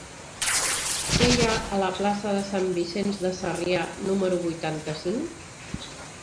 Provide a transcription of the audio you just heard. Què hi ha a la plaça de Sant Vicenç de Sarrià número vuitanta-cinc?